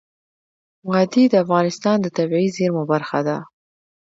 وادي د افغانستان د طبیعي زیرمو برخه ده.